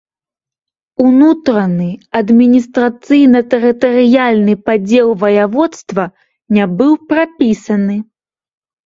Унутраны адміністрацыйна-тэрытарыяльны падзел ваяводства не быў прапісаны.